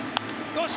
よし！